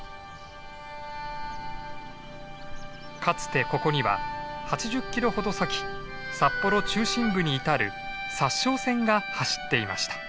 かつてここには８０キロほど先札幌中心部に至る札沼線が走っていました。